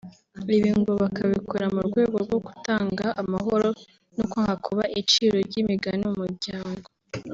ibi ngo bakabikora mu rwego rwo gutanga amahoro no kwanga kuba iciro ry’imigani mu muryango